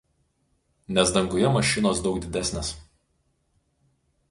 nes danguje mašinos daug didesnės